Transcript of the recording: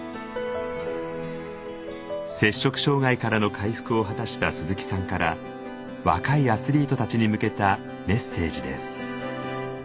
摂食障害からの回復を果たした鈴木さんから若いアスリートたちに向けたメッセージです。